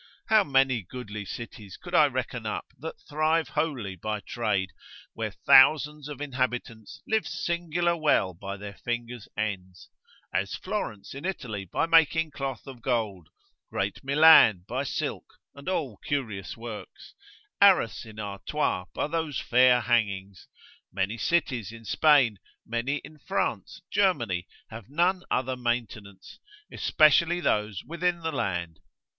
How many goodly cities could I reckon up, that thrive wholly by trade, where thousands of inhabitants live singular well by their fingers' ends: As Florence in Italy by making cloth of gold; great Milan by silk, and all curious works; Arras in Artois by those fair hangings; many cities in Spain, many in France, Germany, have none other maintenance, especially those within the land.